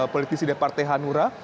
politisi departai hanura